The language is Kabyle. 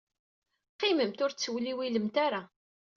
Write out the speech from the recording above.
Qqimemt, ur ttewliwilemt ara.